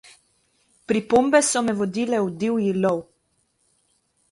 Pripombe so me vodile v divji lov.